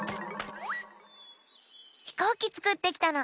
ひこうきつくってきたの。